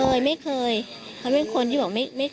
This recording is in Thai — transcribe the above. เออน้องลูกเขยมาเรียกว่าไอ้เจ้านี่โดนไล่ฟัน